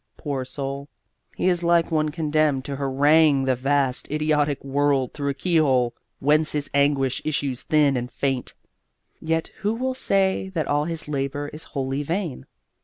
Poor soul, he is like one condemned to harangue the vast, idiotic world through a keyhole, whence his anguish issues thin and faint. Yet who will say that all his labour is wholly vain?